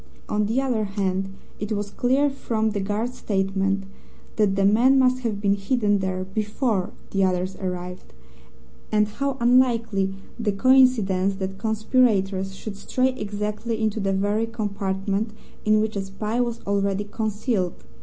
On the other hand, it was clear, from the guard's statement, that the man must have been hidden there BEFORE the others arrived, and how unlikely the coincidence that conspirators should stray exactly into the very compartment in which a spy was already concealed!